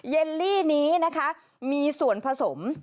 เลลี่นี้นะคะมีส่วนผสม